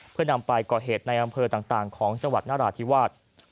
เพื่อนำไปก่อเหตุในอำเภอต่างของจังหวัดนราธิวาส